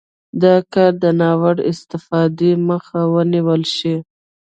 دا کار د ناوړه استفادې مخه ونیول شي.